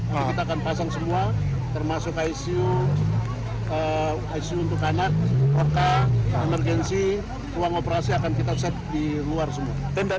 kalau kita akan pasang semua termasuk icu untuk anak roka emergensi ruang operasi akan kita set di luar semua